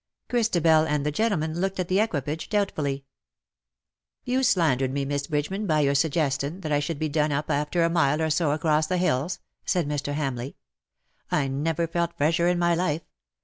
Christabel and the gentleman looked at the equipage doubtfully. ^^ You slandered me, Miss Bridgeman, by your suggestion that I should be done up after a mile or so across the hills/^ said Mr. Hamleigh ;" I never felt fresher in my life.